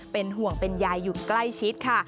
เป็นห่วงเป็นยายอยู่ใกล้ชิดค่ะ